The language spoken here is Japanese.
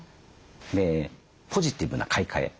でポジティブな買い替え